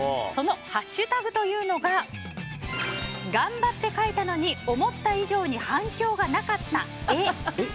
そのハッシュタグというのが「＃頑張って描いたのに思った以上に反響が無かった絵」。